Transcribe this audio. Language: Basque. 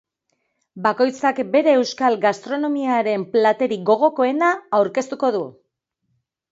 Bakoitzak bere euskal gastronomiaren platerik gogokoena aurkeztuko du.